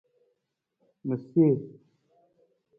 Ma see.